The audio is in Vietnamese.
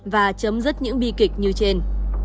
và chấm dứt những bi kịch như trên